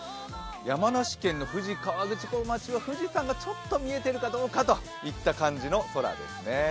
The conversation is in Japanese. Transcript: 山梨県の富士河口湖町は富士山がちょっと見えてるかどうかといった感じの空ですね。